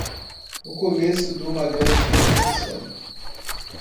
o começo duma grande revolução